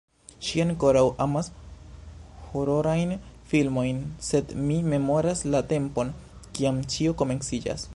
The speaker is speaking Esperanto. Ŝi ankoraŭ amas hororajn filmojn sed mi memoras la tempon, kiam ĉio komenciĝas